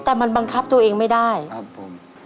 แต่มันบังคับตัวเองไม่ได้ครับผม